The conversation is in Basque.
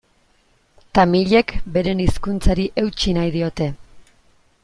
Tamilek beren hizkuntzari eutsi nahi diote.